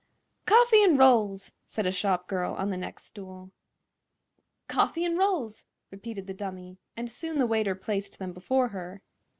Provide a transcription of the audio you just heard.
"Coffee 'n' rolls!" said a shop girl on the next stool. "Coffee 'n' rolls!" repeated the dummy, and soon the waiter placed them before her.